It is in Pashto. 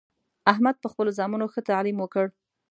احمد په خپلو زامنو ښه تعلیم وکړ